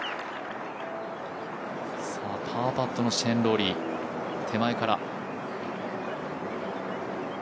パーパットのシェーン・ローリー、手前から。